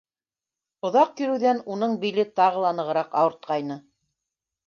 Оҙаҡ йөрөүҙән уның биле тағы ла нығыраҡ ауыртҡайны.